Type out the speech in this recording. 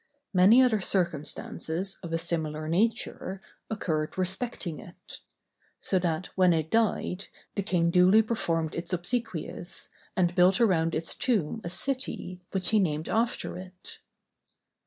Many other circumstances, of a similar nature, occurred respecting it; so that when it died, the king duly performed its obsequies, and built around its tomb a city, which he named after it.